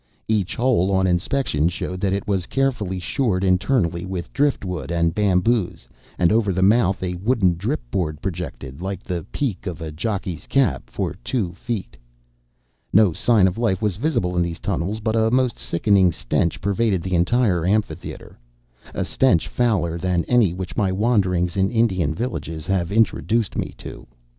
Each hole on inspection showed that it was carefully shored internally with drift wood and bamboos, and over the mouth a wooden drip board projected, like the peak of a jockey's cap, for two feet. No sign of life was visible in these tunnels, but a most sickening stench pervaded the entire amphitheatre a stench fouler than any which my wanderings in Indian villages have introduced me to.